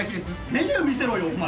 メニュー見せろよお前！